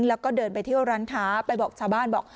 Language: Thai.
แล้วก็เดินไปเที่ยวร้านค้าไปบอกชาวบ้านบอก